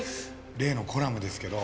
例のコラムですけど。